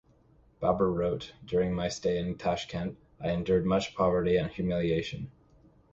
Babur wrote, During my stay in Tashkent, I endured much poverty and humiliation.